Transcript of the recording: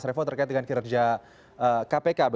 revo terkait dengan kinerja kpk